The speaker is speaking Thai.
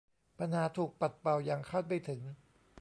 ปัญหาถูกปัดเป่าอย่างคาดไม่ถึง